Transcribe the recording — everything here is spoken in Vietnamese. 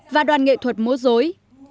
và đoàn nghệ thuật múa dối